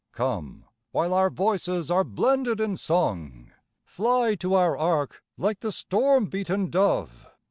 Come while our voices are blended in song, Fly to our ark like the storm beaten dove!